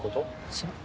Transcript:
そう。